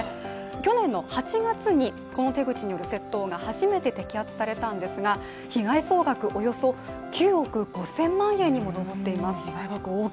去年の８月にこの手口による窃盗が初めて摘発されたんですが被害総額およそ９億５０００万円にも上っています。